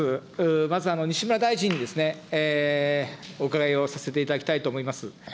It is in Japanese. まず西村大臣にお伺いをさせていただきたいと思います。